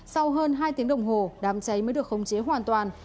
sau hơn hai tiếng đồng hồ đám cháy mới được khống chế hoàn toàn